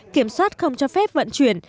kiểm soát không cho phép vận chuyển